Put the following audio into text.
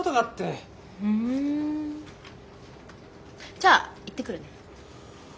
ふんじゃあ行ってくるね。